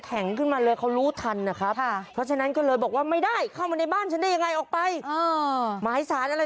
อ่าตอนแรกไม่ได้มาซื้อของก่อนไง